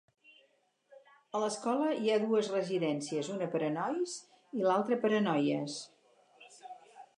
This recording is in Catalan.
A l'escola hi ha dues residències, una per a nois i l'altra per a noies.